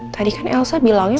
tadi kan elsa bilangnya